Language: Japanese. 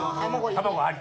卵あり！